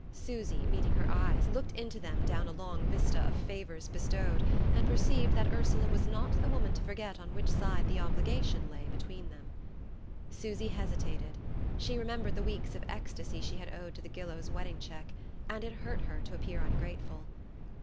Susy, meeting her eyes, looked into them down a long vista of favours bestowed, and perceived that Ursula was not the woman to forget on which side the obligation lay between them. Susy hesitated: she remembered the weeks of ecstasy she had owed to the Gillows' wedding cheque, and it hurt her to appear ungrateful.